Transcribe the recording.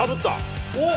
おっ。